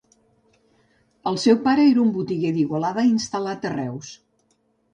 El seu pare era un botiguer d'Igualada instal·lat a Reus.